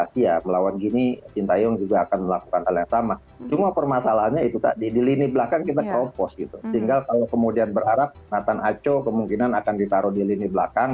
sehingga kalau kemudian berharap nathan aco kemungkinan akan ditaruh di lini belakang